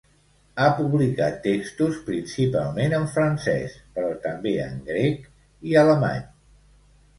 Ha publicat textos principalment en francès, però també en grec i alemany.